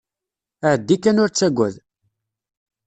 Ɛeddi kan ur ttagad.